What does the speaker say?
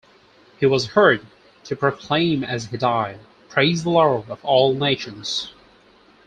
He was heard to proclaim as he died, Praise the Lord of all nations!